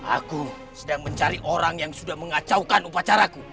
aku sedang mencari orang yang sudah mengacaukan upacaraku